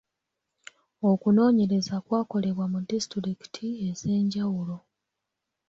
Okunoonyereza kwakolebwa mu ddisitulikiti ez’enjawulo.